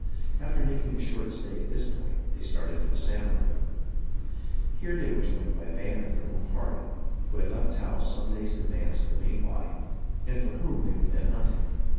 After making a short stay at this point they started for the Salmon River. Here they were joined by a band of their own party, who had left Taos some days in advance of the main body, and for whom they were then hunting.